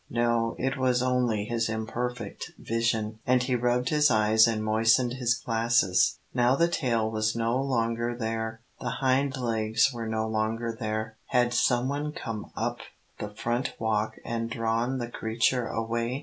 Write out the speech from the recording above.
No, it was only his imperfect vision, and he rubbed his eyes and moistened his glasses. Now the tail was no longer there the hind legs were no longer there. Had some one come up the front walk and drawn the creature away?